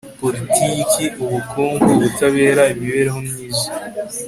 politiki, ubukungu, ubutabera, imibereho myiza